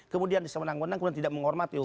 kemudian disenang senang tidak menghormati hukum